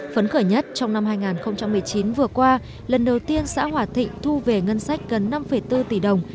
phấn khởi nhất trong năm hai nghìn một mươi chín vừa qua lần đầu tiên xã hòa thịnh thu về ngân sách gần năm bốn tỷ đồng